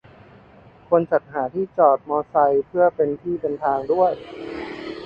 ควรจัดหาที่จอดมอไซค์เพื่อที่เป็นทางด้วย